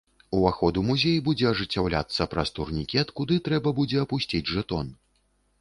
Уваход у музей будзе ажыццяўляцца праз турнікет, куды трэба будзе апусціць жэтон.